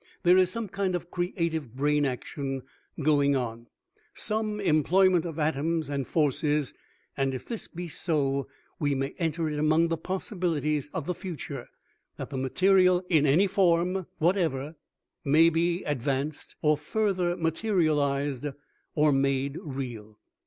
There is some kind of creative brain action going on, some employment of atoms and forces, and, if this be so, we may enter it among the Possibilities of the Future that the Material in any form whatever may be advanced, or further materialized or made real.